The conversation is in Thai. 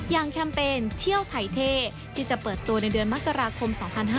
แคมเปญเที่ยวไทยเท่ที่จะเปิดตัวในเดือนมกราคม๒๕๕๙